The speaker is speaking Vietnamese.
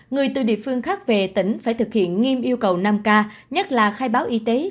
người từ địa phương khác về tỉnh phải thực hiện nghiêm yêu cầu năm k nhất là khai báo y tế